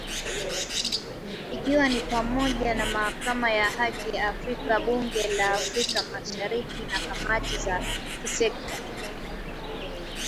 ikiwa ni pamoja na Mahakama ya Haki ya Afrika Bunge la Afrika Mashariki na kamati za kisekta